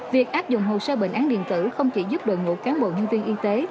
việc áp dụng hồ sơ bệnh án điện tử không chỉ giúp đội ngũ cán bộ nhân viên y tế